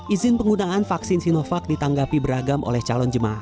izin penggunaan vaksin sinovac ditanggapi beragam oleh calon jemaah